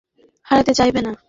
কোন অপরাধী এটা হারাতে চাইবে না।